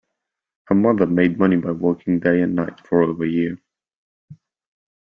Her mother made money by working day and night for over a year